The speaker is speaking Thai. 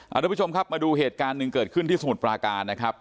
ทุกผู้ชมครับมาดูเหตุการณ์หนึ่งเกิดขึ้นที่สมุทรปราการนะครับ